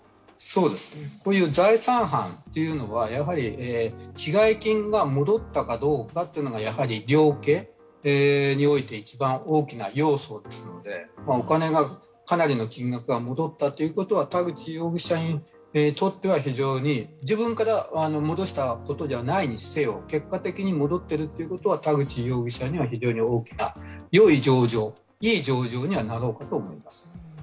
そうですね、こういう財産犯というのは被害金が戻ったかどうかが量刑において１番大きな要素ですのでお金が、かなりの金額が戻ったということは田口容疑者にとっては、自分から戻したことじゃないにせよ、結果的に戻ってるということは、田口容疑者には非常に大きな非常によい情状にはなろうかと思います。